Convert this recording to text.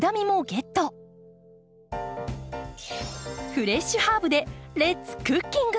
フレッシュハーブでレッツクッキング！